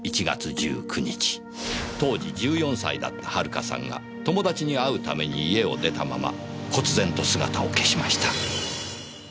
当時１４歳だった遥さんが友達に会うために家を出たままこつぜんと姿を消しました。